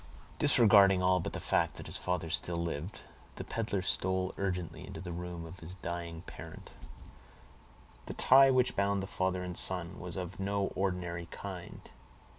Disregarding all but the fact that his father still lived, the peddler stole gently into the room of his dying parent. The tie which bound the father and son was of no ordinary kind.